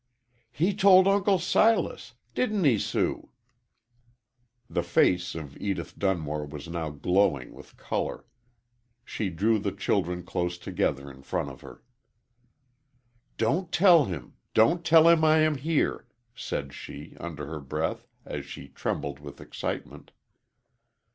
"He told Uncle Silas didn't he, Sue?" The face of Edith Dunmore was now glowing with color. She drew the children close together in front of her. "Don't tell him don't tell him I am here," said she, under her breath, as she trembled with excitement.